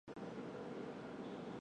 樊陵人。